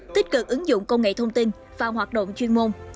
tích cực ứng dụng công nghệ thông tin và hoạt động chuyên môn